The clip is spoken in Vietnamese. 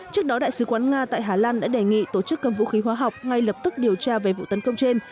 trước đó đại sứ quán nga tại hà lan đã đề nghị tổ chức cấm vũ khí hóa học ngay lập tức điều tra về vụ tấn công trên